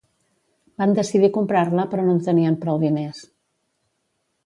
Van decidir comprar-la però no tenien prou diners.